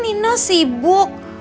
bu kan ya tidur